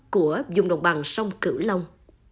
của vùng đồng bằng sông cửu long